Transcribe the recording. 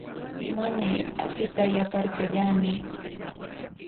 Mamay, apita yaparkallamay.